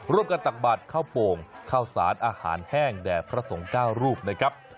ร่วมกันตักบาทข้าวโป่งข้าวสานอาหารแห้งแด่พระสงก้าวรูปนะครับ